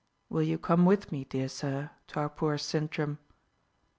Will you come with me, dear sir, to our poor Sintram?"